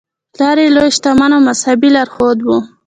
پلار یې لوی شتمن او مذهبي لارښود و.